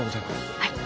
はい。